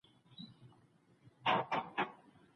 ایا هغه به مړ ږدن ډنډ ته نږدې وګڼي؟